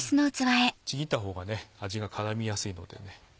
ちぎった方が味が絡みやすいのでね。